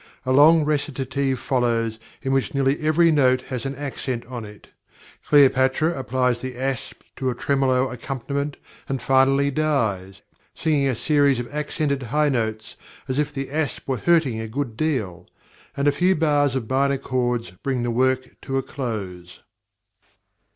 A long recitative follows in which nearly every note has an accent on it; Cleopatra applies the asp to a tremolo accompaniment, and finally dies, singing a series of accented high notes, as if the asp were hurting a good deal; and a few bars of minor chords bring the work to a close.